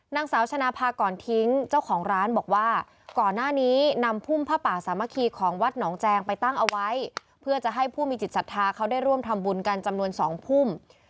นางสาวชนะพาก่อนทิ้งเจ้าของร้านบอกว่าก่อนหน้านี้นำพุ่มผ้าป่าสามัคคีของวัดหนองแจงไปตั้งเอาไว้เพื่อจะให้ผู้มีจิตศรัทธาเขาได้ร่วมทำบุญกันจำนวน๒พุ่ม